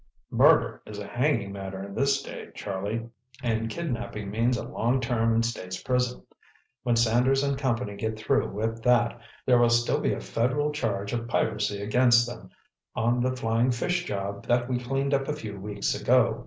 "Murder is a hanging matter in this state, Charlie, and kidnapping means a long term in state's prison. When Sanders and Company get through with that, there will still be a federal charge of piracy against them on the Flying Fish job that we cleaned up a few weeks ago."